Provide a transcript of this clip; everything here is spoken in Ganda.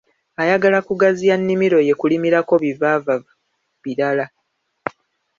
Ayagala kugaziya nnimiro ye kulimako bivaavava birala.